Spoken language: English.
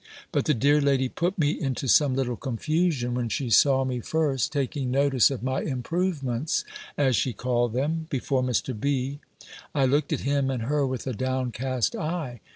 But the dear lady put me into some little confusion, when she saw me first, taking notice of my improvements, as she called them, before Mr. B. I looked at him and her with a downcast eye.